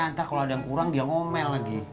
ntar kalo ada yang kurang dia ngomel lagi